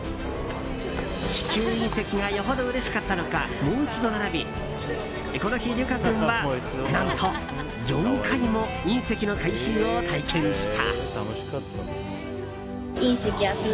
地球隕石がよほどうれしかったのかもう一度並びこの日、りゅか君は何と４回も隕石の回収を体験した。